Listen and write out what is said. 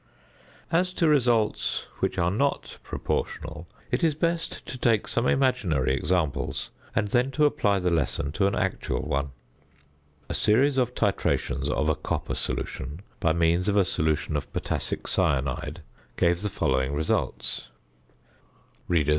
As to results which are not proportional, it is best to take some imaginary examples, and then to apply the lesson to an actual one. A series of titrations of a copper solution by means of a solution of potassic cyanide gave the following results: ++++| Copper taken.